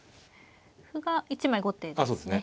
歩が１枚後手ですね。